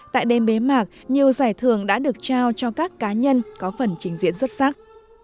tại đêm bế mạc nhiều giải thưởng đã được trao cho các cá nhân có phần trình diễn xuất sắc